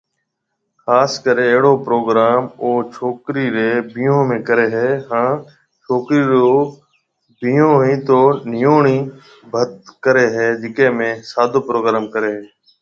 خاص ڪري اهڙو پروگرام او ڇوڪري ري بيھون۾ ڪري هي هان جي ڇوڪرِي رو بيھونهوئي تو او نيوڻي ڀت ڪري هي جڪي ۾ سادو پروگرام ڪري هي